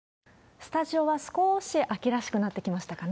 スタジオは少し秋らしくなってきましたかね。